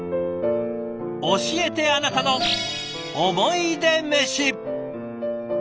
教えてあなたの「おもいでメシ」。